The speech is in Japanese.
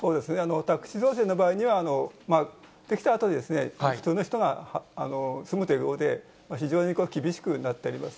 宅地造成の場合には、出来たあとに、普通の人が住むということで、非常に厳しくなっております。